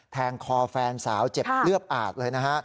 แทงคอแฟนสาวเจ็บเลือดอาดเลยนะฮะ